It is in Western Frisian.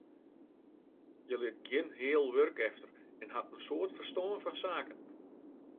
Hja lit gjin heal wurk efter en hat in soad ferstân fan saken.